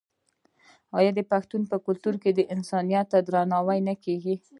آیا د پښتنو په کلتور کې انسانیت ته درناوی نه کیږي؟